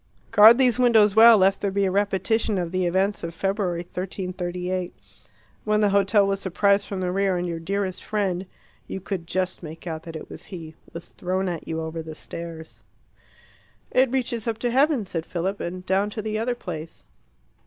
Guard these windows well, lest there be a repetition of the events of February 1338, when the hotel was surprised from the rear, and your dearest friend you could just make out that it was he was thrown at you over the stairs. "It reaches up to heaven," said Philip, "and down to the other place."